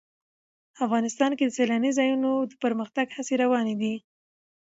افغانستان کې د سیلانی ځایونه د پرمختګ هڅې روانې دي.